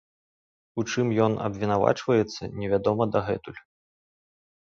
У чым ён абвінавачваецца, невядома дагэтуль.